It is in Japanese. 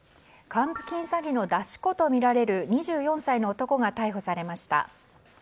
還付金詐欺の出し子とみられる２４歳の男が逮捕されました。